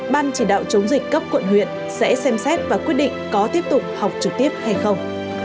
ban chỉ đạo chống dịch cấp quận huyện sẽ xem xét và quyết định có tiếp tục học trực tiếp hay không